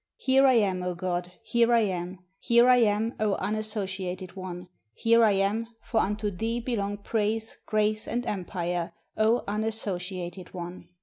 " "Here I am, 0 God, here I am ! Here I am, O Unassociated One, here I am, for unto Thee belong praise, grace, and empire, O Unassociated One!"